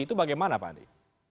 itu bagaimana pak andi